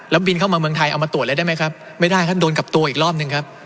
บินเข้ามาเมืองไทยเอามาตรวจเลยได้ไหมครับไม่ได้ครับโดนกลับตัวอีกรอบหนึ่งครับ